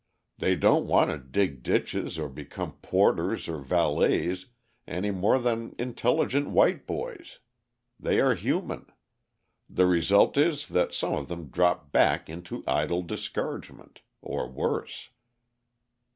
They don't want to dig ditches or become porters or valets any more than intelligent white boys: they are human. The result is that some of them drop back into idle discouragement or worse."